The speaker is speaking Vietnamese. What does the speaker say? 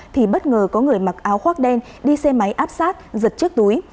thì bất ngờ có người mặc áo khoác đen đi xe máy áp sát giật chiếc túi